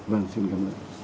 vâng xin cảm ơn